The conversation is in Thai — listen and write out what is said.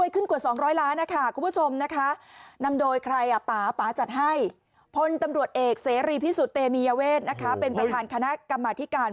ตำรวจเอกเสรีพิสุทธิ์เตมียเวทเป็นประธานคณะกรรมธิการ